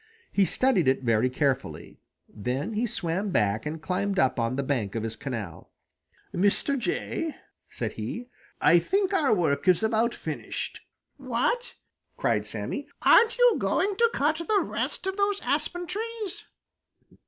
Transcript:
He studied it very carefully. Then he swam back and climbed up on the bank of his canal. "Mr. Jay," said he, "I think our work is about finished." "What!" cried Sammy, "Aren't you going to cut the rest of those aspen trees?"